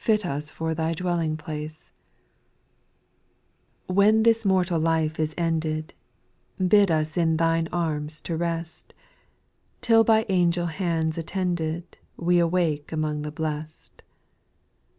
4, When this mortal life is ended, Bid us in Thine arms to rest. Till by angel hands attended, We awake among the blest.